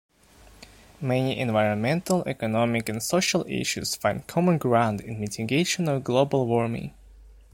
Many environmental, economic, and social issues find common ground in mitigation of global warming.